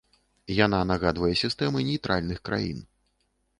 Яна нагадвае сістэмы нейтральных краін.